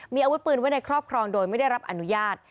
มีอาวุธปืนไว้ในครอบครองโดยไม่ได้รับอนุญาต